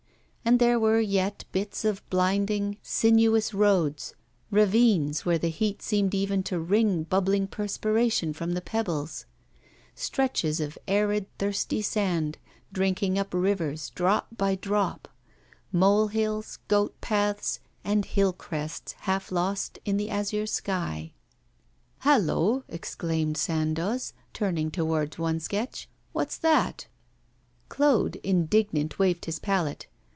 And there were yet bits of blinding, sinuous roads; ravines, where the heat seemed even to wring bubbling perspiration from the pebbles; stretches of arid, thirsty sand, drinking up rivers drop by drop; mole hills, goat paths, and hill crests, half lost in the azure sky. 'Hallo!' exclaimed Sandoz, turning towards one sketch, 'what's that?' Claude, indignant, waved his palette.